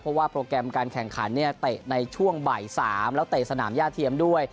เพราะว่าโปรแกรมการแข่งขันเนี่ยเตะในช่วงบ่าย๓แล้วเตะสนามย่าเทียมด้วย